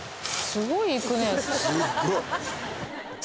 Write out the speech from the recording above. すごいいくね。